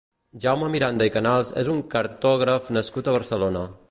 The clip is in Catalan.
Jaume Miranda i Canals és un cartògraf nascut a Barcelona.